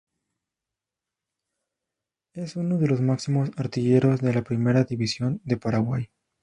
Es uno de los máximos artilleros de la Primera División de Paraguay.